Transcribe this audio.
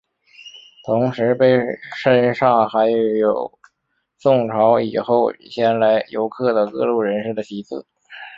同时碑身上还刻有宋朝以后前来游览的各路人士的题字。